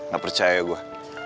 gak percaya gue